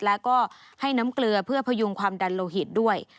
แล้วก็ให้น้ำเกลือเพื่อพยุงความดันโลหิตด้วย